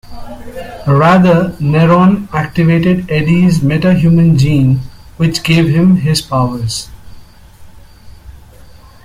Rather, Neron activated Eddie's metahuman gene which gave him his powers.